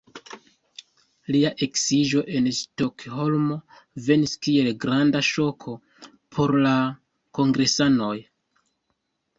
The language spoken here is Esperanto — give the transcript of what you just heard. Lia eksiĝo en Stokholmo venis kiel granda ŝoko por la kongresanoj.